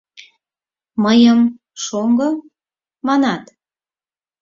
Мыйым «шоҥго!» манат?!